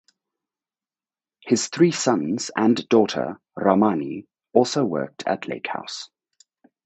His three sons and daughter Ramani also worked at Lake House.